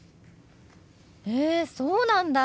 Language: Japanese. へえそうなんだ。